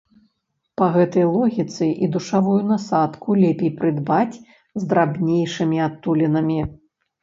Па гэтай логіцы і душавую насадку лепей прыдбаць з драбнейшымі адтулінамі.